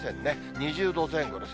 ２０度前後です。